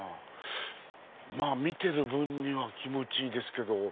まぁ見てる分には気持ちいいですけど。